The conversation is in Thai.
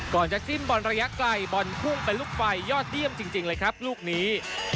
ก่อนจะสิ้นบอลระยะไกลบอลพุ่งเป็นลูกไฟยอดเยี่ยมจริงเลยครับลูกนี้